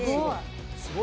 すごい！